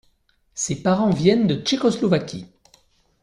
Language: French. Ses parents viennent de Tchécoslovaquie.